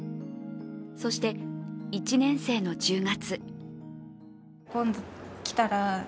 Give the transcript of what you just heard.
そして１年生の１０月